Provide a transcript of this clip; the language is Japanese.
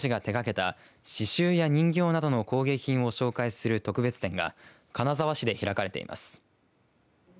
美人画で知られる画家の竹久夢二が手がけた刺しゅうや人形などの工芸品を紹介する特別展が金沢市で開かれています。